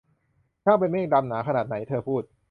ช่างเป็นเมฆดำหนาขนาดไหน !' เธอพูด